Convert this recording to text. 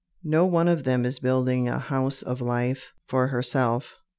No one of them is building a "House of Life" for herself.